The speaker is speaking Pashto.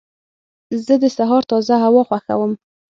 زه د سهار تازه هوا خوښوم.